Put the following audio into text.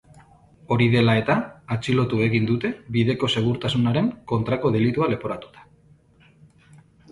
Hori dela eta, atxilotu egin dute, bideko segurtasunaren kontrako delitua leporatuta.